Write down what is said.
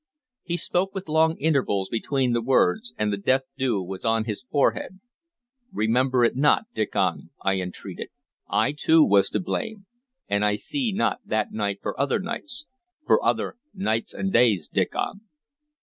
He spoke with long intervals between the words, and the death dew was on his forehead. "Remember it not, Diccon," I entreated. "I too was to blame. And I see not that night for other nights, for other nights and days, Diccon."